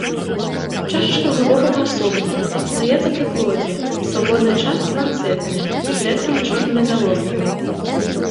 Чашачка глыбока-паасобная, застаецца пры плодзе, свабодныя часткі ланцэтныя, з рэдкімі чорнымі залозкамі.